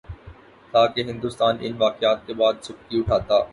تھا کہ ہندوستان ان واقعات کے بعد سبکی اٹھاتا۔